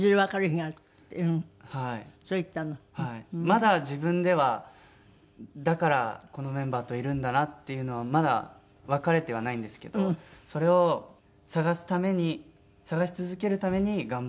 まだ自分ではだからこのメンバーといるんだなっていうのはまだわかれてはないんですけどそれを探すために探し続けるために頑張ってるっていう感じですね。